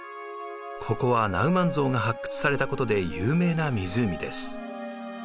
ここはナウマンゾウが発掘されたことで有名な湖です。